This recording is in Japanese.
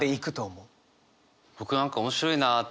僕何か面白いなと。